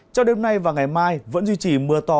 cho đêm nay và ngày mai vẫn duy trì mưa to